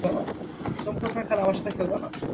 চমকে ওঠার খেলা আমার সাথে খেলবে না।